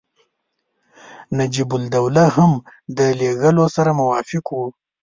نجیب الدوله هم د لېږلو سره موافق وو.